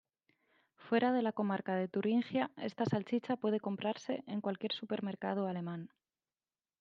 Fuera de la comarca de Turingia esta salchicha puede comprase en cualquier supermercado Alemán.